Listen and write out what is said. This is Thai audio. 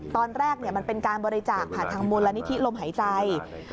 ตอนแรกมันเป็นการบริจาคผ่านทางมูลนิธิลมหายใจ